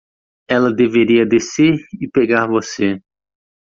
Ela deveria descer e pegar você.